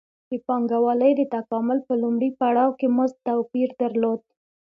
د پانګوالۍ د تکامل په لومړي پړاو کې مزد توپیر درلود